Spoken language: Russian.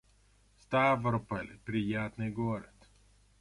Ставрополь — приятный город